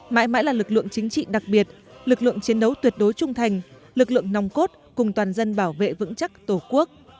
mãi mãi là lực lượng chính trị đặc biệt lực lượng chiến đấu tuyệt đối trung thành lực lượng nòng cốt cùng toàn dân bảo vệ vững chắc tổ quốc